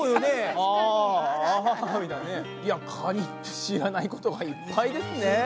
いやカニって知らないことがいっぱいですね。